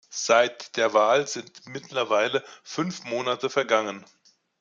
Seit der Wahl sind mittlerweile fünf Monate vergangen.